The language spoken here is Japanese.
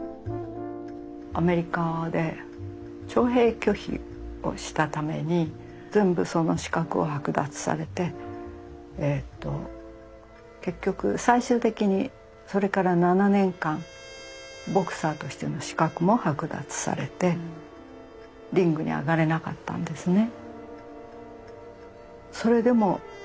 アメリカで徴兵拒否をしたために全部その資格を剥奪されて結局最終的にそれから７年間ボクサーとしての資格も剥奪されてリングに上がれなかったんですね。